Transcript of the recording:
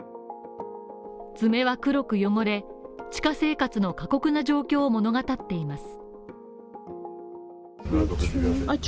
爪は黒く汚れ、地下生活の過酷な状況を物語っています。